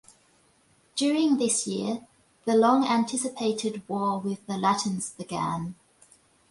During this year, the long anticipated war with the Latins began.